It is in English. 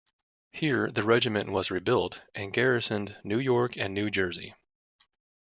Here, the regiment was rebuilt and garrisoned New York and New Jersey.